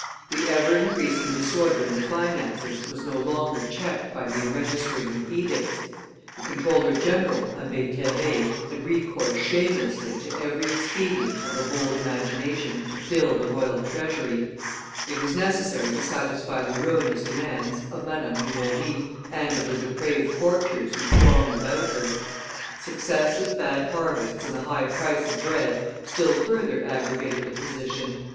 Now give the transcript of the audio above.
The ever increasing disorder in the finances was no longer checked by the enregistering of edicts; the comptroller general, Abbe Terray, had recourse shamelessly to every expedient of a bold imagination to fill the royal treasury; it was necessary to satisfy the ruinous demands of Madame Dubarry and of the depraved courtiers who thronged about her. Successive bad harvests and the high price of bread still further aggravated the position.